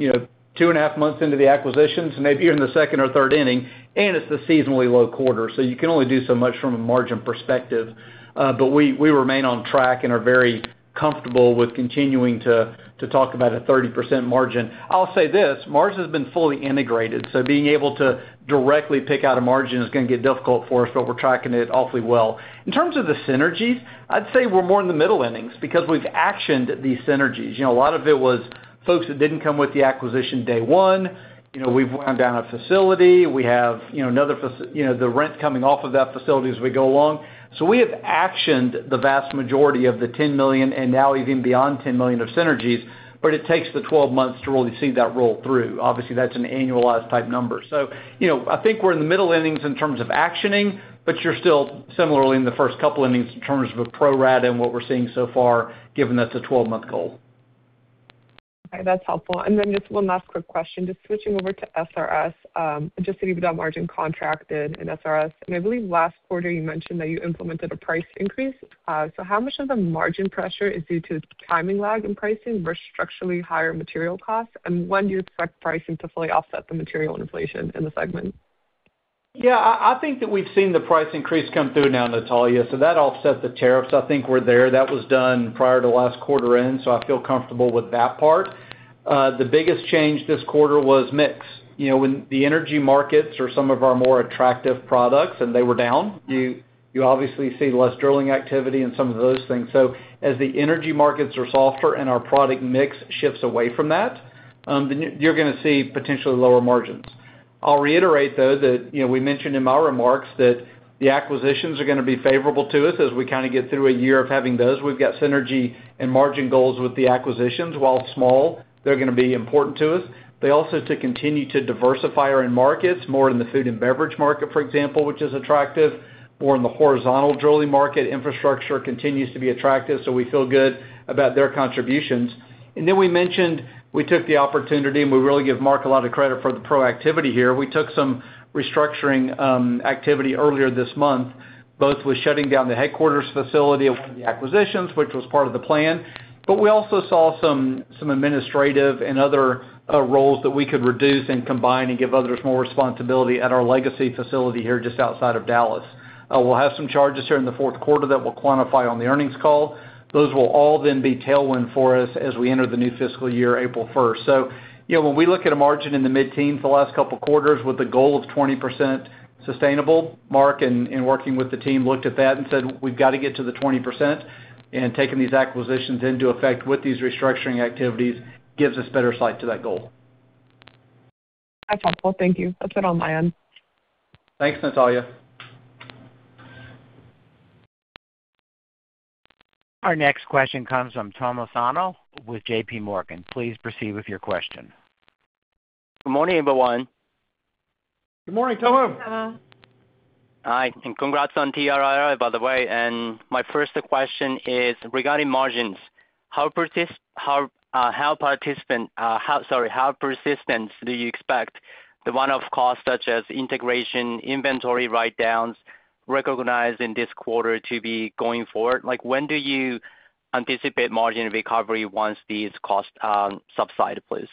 two and a half months into the acquisitions, and maybe you're in the second or third ending, and it's the seasonally low quarter. So you can only do so much from a margin perspective, but we remain on track and are very comfortable with continuing to talk about a 30% margin. I'll say this: Mars has been fully integrated, so being able to directly pick out a margin is going to get difficult for us, but we're tracking it awfully well. In terms of the synergies, I'd say we're more in the middle endings because we've actioned these synergies. A lot of it was folks that didn't come with the acquisition day one. We've wound down a facility. We have another the rent coming off of that facility as we go along. So we have actioned the vast majority of the $10 million and now even beyond $10 million of synergies, but it takes the 12 months to really see that roll through. Obviously, that's an annualized type number. So I think we're in the middle endings in terms of actioning, but you're still similarly in the first couple of endings in terms of a pro rata and what we're seeing so far, given that's a 12-month goal. Okay. That's helpful. And then just one last quick question, just switching over to SRS, just to give you that margin contraction in SRS. And I believe last quarter you mentioned that you implemented a price increase. So how much of the margin pressure is due to timing lag in pricing versus structurally higher material costs? And when do you expect pricing to fully offset the material inflation in the segment? Yeah, I think that we've seen the price increase come through now, Natalia. So that offsets the tariffs. I think we're there. That was done prior to last quarter end, so I feel comfortable with that part. The biggest change this quarter was mix. When the energy markets are some of our more attractive products and they were down, you obviously see less drilling activity and some of those things. So as the energy markets are softer and our product mix shifts away from that, you're going to see potentially lower margins. I'll reiterate, though, that we mentioned in my remarks that the acquisitions are going to be favorable to us as we kind of get through a year of having those. We've got synergy and margin goals with the acquisitions. While small, they're going to be important to us. They also continue to diversify our end markets more in the food and beverage market, for example, which is attractive. More in the horizontal drilling market. Infrastructure continues to be attractive, so we feel good about their contributions. Then we mentioned we took the opportunity, and we really give Mark a lot of credit for the proactivity here. We took some restructuring activity earlier this month, both with shutting down the headquarters facility and the acquisitions, which was part of the plan. We also saw some administrative and other roles that we could reduce and combine and give others more responsibility at our legacy facility here just outside of Dallas. We'll have some charges here in the fourth quarter that we'll quantify on the earnings call. Those will all then be tailwind for us as we enter the new fiscal year, April 1st. So when we look at a margin in the mid-teens the last couple of quarters with a goal of 20% sustainable, Mark and working with the team looked at that and said, "We've got to get to the 20%," and taking these acquisitions into effect with these restructuring activities gives us better sight to that goal. That's helpful. Thank you. That's it on my end. Thanks, Natalia. Our next question comes from Tomo Sano with JPMorgan. Please proceed with your question. Good morning, everyone. Good morning, Tomo. Hi. And congrats on TRIR, by the way. And my first question is regarding margins. How persistent do you expect the run of costs such as integration, inventory write-downs recognized in this quarter to be going forward? When do you anticipate margin recovery once these costs subside, please?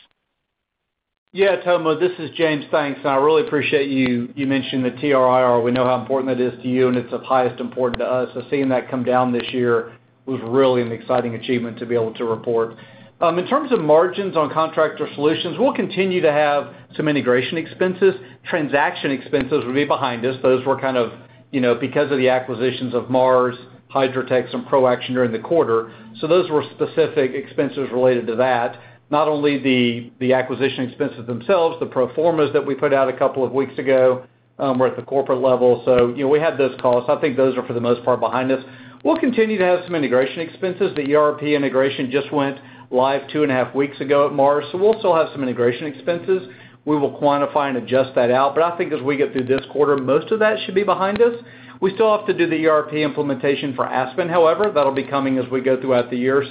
Yeah, Tomo, this is James. Thanks. And I really appreciate you mentioning the TRIR. We know how important that is to you, and it's of highest importance to us. So seeing that come down this year was really an exciting achievement to be able to report. In terms of margins on Contractor Solutions, we'll continue to have some integration expenses. Transaction expenses will be behind us. Those were kind of because of the acquisitions of MARS, Hydrotex, and ProAction during the quarter. So those were specific expenses related to that. Not only the acquisition expenses themselves, the pro formas that we put out a couple of weeks ago were at the corporate level. So we had those costs. I think those are for the most part behind us. We'll continue to have some integration expenses. The ERP integration just went live two and a half weeks ago at MARS, so we'll still have some integration expenses. We will quantify and adjust that out. I think as we get through this quarter, most of that should be behind us. We still have to do the ERP implementation for Aspen. However, that'll be coming as we go throughout the year.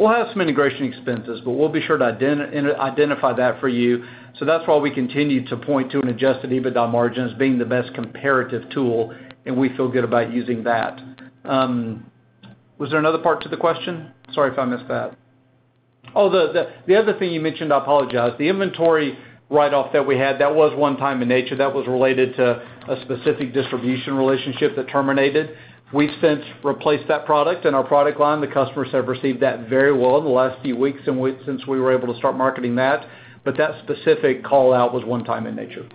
We'll have some integration expenses, but we'll be sure to identify that for you. That's why we continue to point to an Adjusted EBITDA margin as being the best comparative tool, and we feel good about using that. Was there another part to the question? Sorry if I missed that. Oh, the other thing you mentioned, I apologize. The inventory write-off that we had, that was one-time in nature. That was related to a specific distribution relationship that terminated. We've since replaced that product in our product line. The customers have received that very well in the last few weeks since we were able to start marketing that. But that specific call-out was one-time in nature.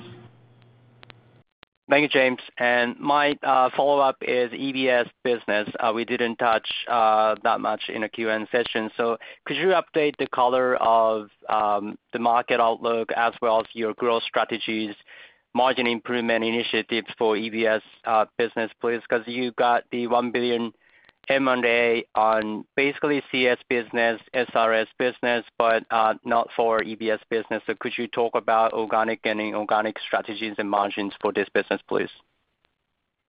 Thank you, James. And my follow-up is EBS business. We didn't touch that much in a Q&A session. So could you update the color of the market outlook as well as your growth strategies, margin improvement initiatives for EBS business, please? Because you got the $1 billion M&A on basically CS business, SRS business, but not for EBS business. So could you talk about organic and inorganic strategies and margins for this business, please?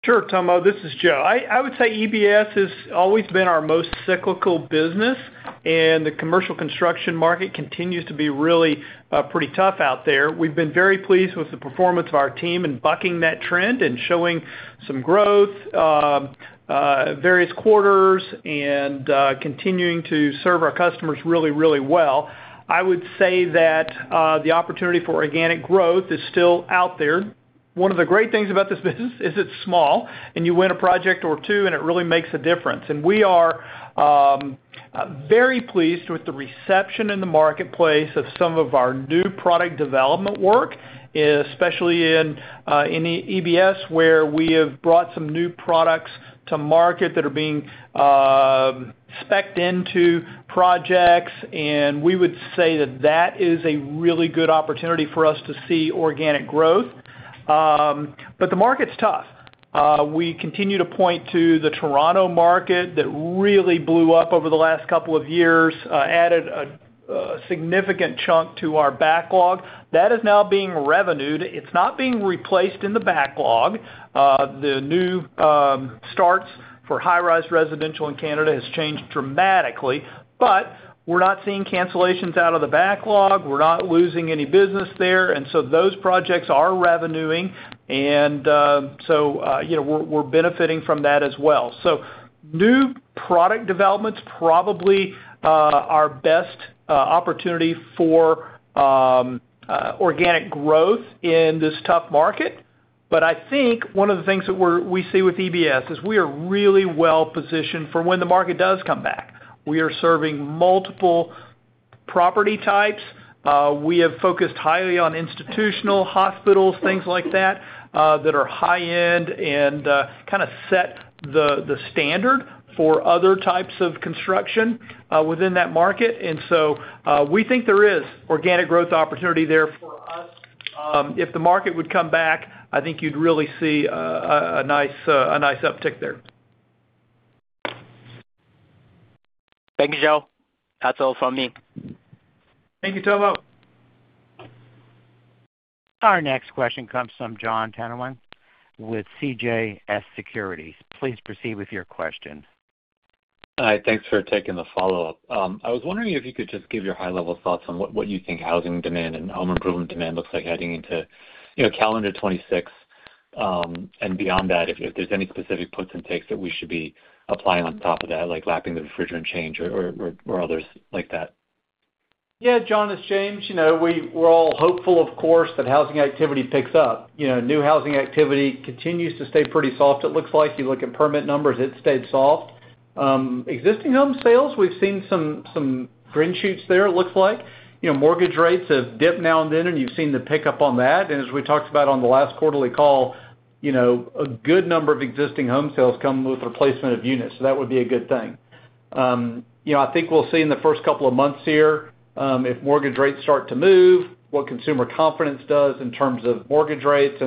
Sure, Tomo. This is Joe. I would say EBS has always been our most cyclical business, and the commercial construction market continues to be really pretty tough out there. We've been very pleased with the performance of our team in bucking that trend and showing some growth, various quarters, and continuing to serve our customers really, really well. I would say that the opportunity for organic growth is still out there. One of the great things about this business is it's small, and you win a project or two, and it really makes a difference. We are very pleased with the reception in the marketplace of some of our new product development work, especially in EBS, where we have brought some new products to market that are being specced into projects. We would say that that is a really good opportunity for us to see organic growth. The market's tough. We continue to point to the Toronto market that really blew up over the last couple of years, added a significant chunk to our backlog. That is now being revenued. It's not being replaced in the backlog. The new starts for high-rise residential in Canada has changed dramatically, but we're not seeing cancellations out of the backlog. We're not losing any business there. And so those projects are revenuing, and so we're benefiting from that as well. So new product developments probably are best opportunity for organic growth in this tough market. But I think one of the things that we see with EBS is we are really well positioned for when the market does come back. We are serving multiple property types. We have focused highly on institutional hospitals, things like that, that are high-end and kind of set the standard for other types of construction within that market. And so we think there is organic growth opportunity there for us. If the market would come back, I think you'd really see a nice uptick there. Thank you, Joe. That's all from me. Thank you, Tomo. Our next question comes from Jon Tanwanteng with CJS Securities. Please proceed with your question. Hi. Thanks for taking the follow-up. I was wondering if you could just give your high-level thoughts on what you think housing demand and home improvement demand looks like heading into calendar 2026 and beyond that, if there's any specific puts and takes that we should be applying on top of that, like wrapping the refrigerant change or others like that. Yeah, Jon, as James, we're all hopeful, of course, that housing activity picks up. New housing activity continues to stay pretty soft, it looks like. You look at permit numbers, it stayed soft. Existing home sales, we've seen some green shoots there, it looks like. Mortgage rates have dipped now and then, and you've seen the pickup on that. As we talked about on the last quarterly call, a good number of existing home sales come with replacement of units. That would be a good thing. I think we'll see in the first couple of months here if mortgage rates start to move, what consumer confidence does in terms of mortgage rates.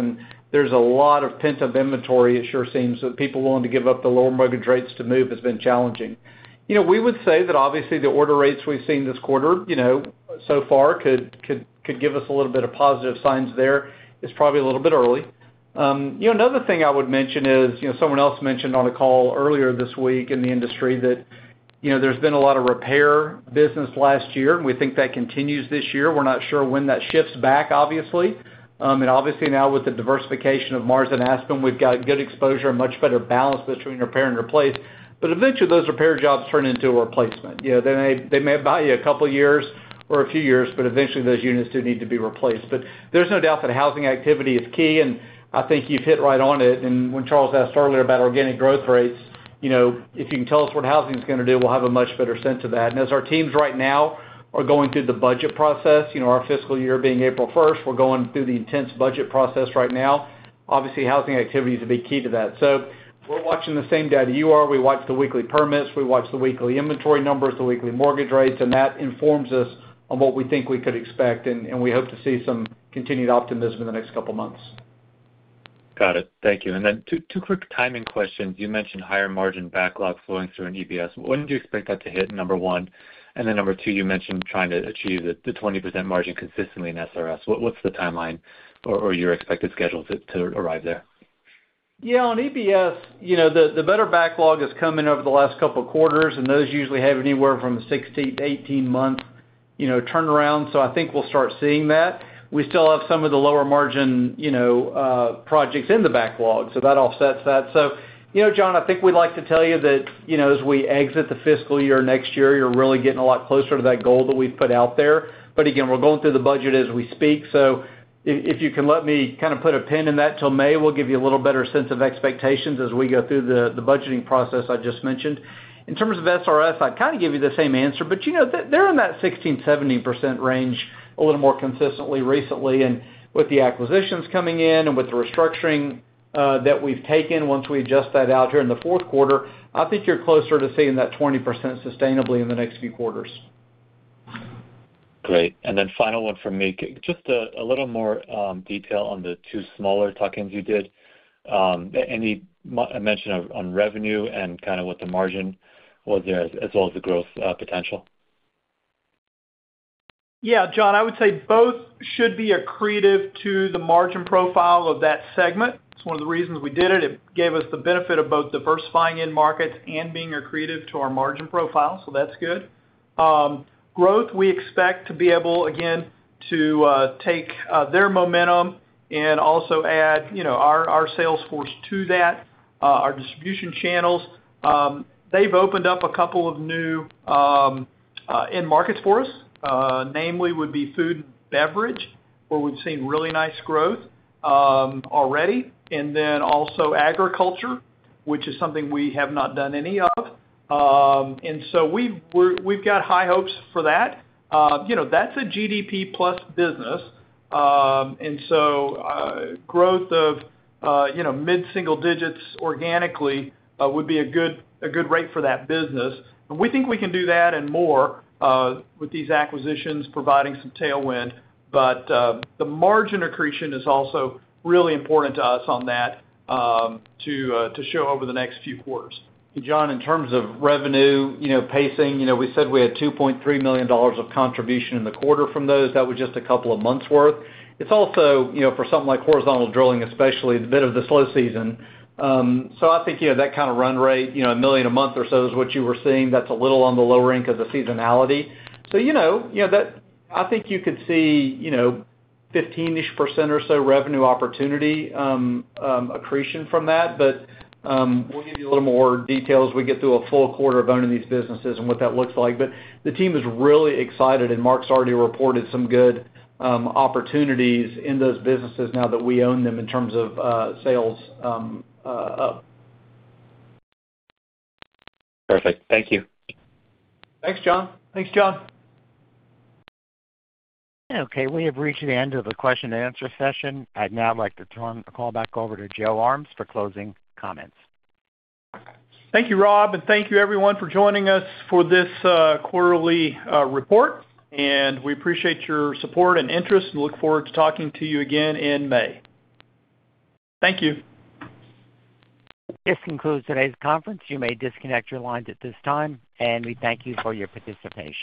There's a lot of pent-up inventory, it sure seems, that people willing to give up the lower mortgage rates to move has been challenging. We would say that obviously the order rates we've seen this quarter so far could give us a little bit of positive signs there. It's probably a little bit early. Another thing I would mention is someone else mentioned on a call earlier this week in the industry that there's been a lot of repair business last year, and we think that continues this year. We're not sure when that shifts back, obviously. And obviously now with the diversification of Mars and Aspen, we've got good exposure and much better balance between repair and replace. But eventually, those repair jobs turn into a replacement. They may buy you a couple of years or a few years, but eventually, those units do need to be replaced. But there's no doubt that housing activity is key, and I think you've hit right on it. And when Charles asked earlier about organic growth rates, if you can tell us what housing is going to do, we'll have a much better sense of that. And as our teams right now are going through the budget process, our fiscal year being April 1st, we're going through the intense budget process right now. Obviously, housing activity is a big key to that. So we're watching the same data you are. We watch the weekly permits. We watch the weekly inventory numbers, the weekly mortgage rates, and that informs us on what we think we could expect. We hope to see some continued optimism in the next couple of months. Got it. Thank you. And then two quick timing questions. You mentioned higher margin backlog flowing through an EBS. When do you expect that to hit, number one? And then number two, you mentioned trying to achieve the 20% margin consistently in SRS. What's the timeline or your expected schedule to arrive there? Yeah, on EBS, the better backlog has come in over the last couple of quarters, and those usually have anywhere from 6-18 months turnaround. So I think we'll start seeing that. We still have some of the lower margin projects in the backlog, so that offsets that. So, Jon, I think we'd like to tell you that as we exit the fiscal year next year, you're really getting a lot closer to that goal that we've put out there. But again, we're going through the budget as we speak. So if you can let me kind of put a pin in that till May, we'll give you a little better sense of expectations as we go through the budgeting process I just mentioned. In terms of SRS, I'd kind of give you the same answer, but they're in that 16%-17% range a little more consistently recently. And with the acquisitions coming in and with the restructuring that we've taken, once we adjust that out here in the fourth quarter, I think you're closer to seeing that 20% sustainably in the next few quarters. Great. And then final one from me. Just a little more detail on the two smaller acquisitions you did. Any mention on revenue and kind of what the margin was there, as well as the growth potential? Yeah, Jon, I would say both should be accretive to the margin profile of that segment. It's one of the reasons we did it. It gave us the benefit of both diversifying in markets and being accretive to our margin profile. So that's good. Growth, we expect to be able, again, to take their momentum and also add our sales force to that, our distribution channels. They've opened up a couple of new end markets for us. Namely, would be food and beverage, where we've seen really nice growth already. And then also agriculture, which is something we have not done any of. And so we've got high hopes for that. That's a GDP-plus business. Growth of mid-single digits organically would be a good rate for that business. We think we can do that and more with these acquisitions providing some tailwind. The margin accretion is also really important to us on that to show over the next few quarters. Jon, in terms of revenue pacing, we said we had $2.3 million of contribution in the quarter from those. That was just a couple of months' worth. It's also for something like horizontal drilling, especially a bit of the slow season. I think that kind of run rate, $1 million a month or so is what you were seeing. That's a little on the lower end because of seasonality. I think you could see 15-ish% or so revenue opportunity accretion from that. But we'll give you a little more detail as we get through a full quarter of owning these businesses and what that looks like. But the team is really excited, and Mark's already reported some good opportunities in those businesses now that we own them in terms of sales up. Perfect. Thank you. Thanks, Jon. Thanks, Jon. Okay. We have reached the end of the question-and-answer session. I'd now like to turn the call back over to Joe Armes for closing comments. Thank you, Rob, and thank you, everyone, for joining us for this quarterly report. And we appreciate your support and interest and look forward to talking to you again in May. Thank you. This concludes today's conference. You may disconnect your lines at this time, and we thank you for your participation.